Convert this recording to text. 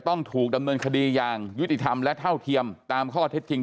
ต้องถูกดำเนินคดีอย่างยุติธรรมและเท่าเทียมตามข้อเท็จจริง